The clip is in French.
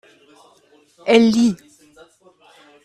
elle lit.